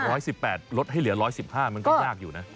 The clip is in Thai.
ร้อยสิบแปดลดให้เหลือร้อยสิบห้ามันก็ยากอยู่นะ